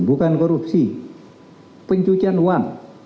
bukan korupsi pencucian uang